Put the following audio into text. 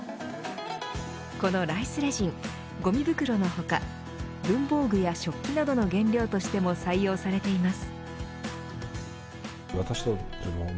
このライスレジンごみ袋の他文房具や食器などの原料としても採用されています。